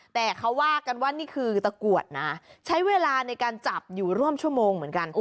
แต่เขาว่ากันว่านี่คือตะกรวดนะใช้เวลาในการจับอยู่ร่วมชั่วโมงเหมือนกัน